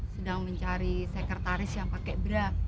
sedang mencari sekretaris yang pakai bra